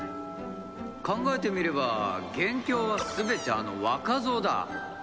考えてみれば元凶は全てあの若造だ。